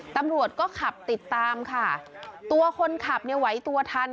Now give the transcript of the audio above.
ตำรวจก็ขับติดตามค่ะตัวคนขับเนี่ยไหวตัวทัน